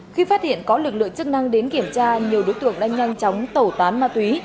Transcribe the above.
khi phát hiện có lực lượng chức năng đến kiểm tra nhiều đối tượng đã nhanh chóng tẩu tán ma túy